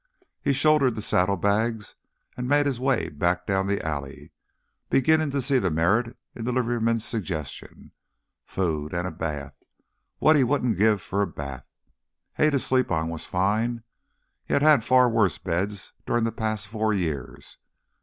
He shouldered the saddlebags and made his way back down the alley, beginning to see the merit in the liveryman's suggestions. Food—and a bath! What he wouldn't give for a bath! Hay to sleep on was fine; he had had far worse beds during the past four years.